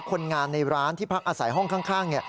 คนงานในร้านที่พักอาศัยห้องข้าง